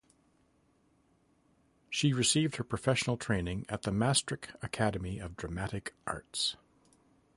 She received her professional training at the Maastricht Academy of Dramatic Arts.